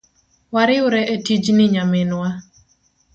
Wariwre etijni nyaminwa.